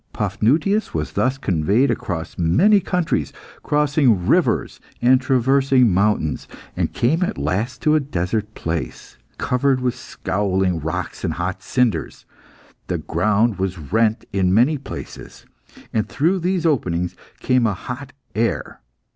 Paphnutius was thus conveyed across many countries, crossing rivers and traversing mountains, and came at last to a desert place, covered with scowling rocks and hot cinders. The ground was rent in many places, and through these openings came a hot air.